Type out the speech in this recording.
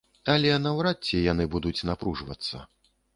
Але наўрад ці яны будуць напружвацца.